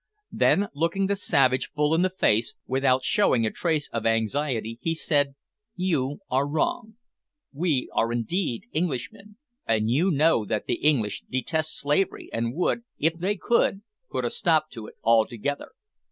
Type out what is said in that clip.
Then looking the savage full in the face, without showing a trace of anxiety, he said "You are wrong. We are indeed Englishmen, and you know that the English detest slavery, and would, if they could, put a stop to it altogether."